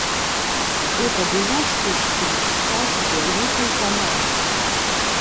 Гэта было штосьці накшталт вялікай паляны.